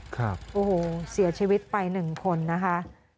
ครับโอ้โหเสียชีวิตไป๑คนนะคะ